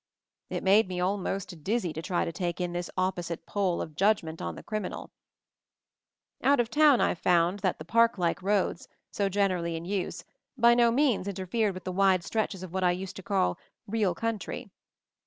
It made me almost dizzy to try to take in this opposite pole of judgment on the criminal. 272 MOVING THE MOUNTAIN Out of town I found that the park like roads, so generally in use, by no means inter fered with the wide stretches of what I used to call "real country."